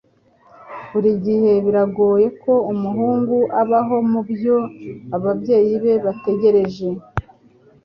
Buri gihe biragoye ko umuhungu abaho mubyo ababyeyi be bategereje